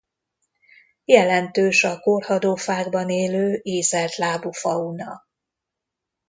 Jelentős a korhadó fákban élő ízeltlábú-fauna.